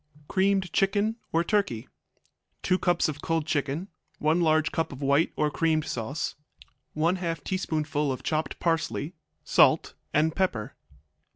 Creamed Chicken or Turkey 2 cups of cold chicken. 1 large cup of white or creamed sauce. 1/2 teaspoonful of chopped parsley. Salt and pepper.